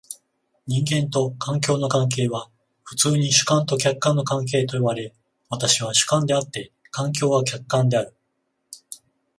人間と環境の関係は普通に主観と客観の関係と呼ばれ、私は主観であって、環境は客観である。